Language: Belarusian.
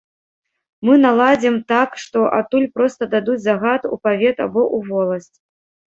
Мы наладзім так, што адтуль проста дадуць загад у павет або ў воласць.